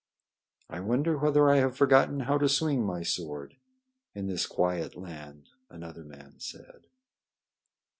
"I wonder whether I have forgotten how to swing my sword in this quiet land," another man said.